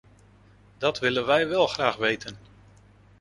Dat willen wij wel graag weten.